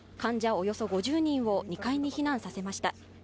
およそ５０人を２階に避難させました。